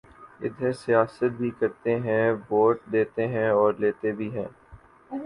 ا دھر سیاست بھی کرتے ہیں ووٹ دیتے ہیں اور لیتے بھی ہیں